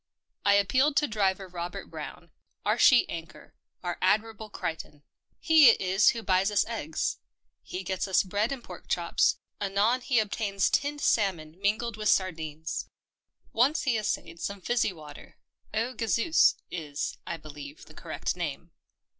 I appealed to Driver Robert Brown, our sheet anchor — our Ad mirable Crichton. He it is who buys us eggs ; he gets us bread and pork chops ; anon he obtains tinned salmon mingled with sardines. Once he essayed some fizzy water — Eau Gazeuse is, I believe, the correct name.